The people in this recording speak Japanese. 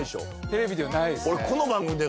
テレビではないですね